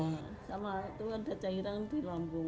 sama itu ada cairan di lambung